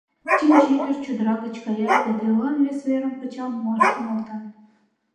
Чинче ӱдыр чодыра гыч каяш да телылан вес верым кычал муаш шоналта.